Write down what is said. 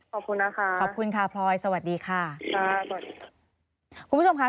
ขอบคุณนะคะสวัสดีค่ะพลอยสวัสดีค่ะคุณผู้ชมค่ะ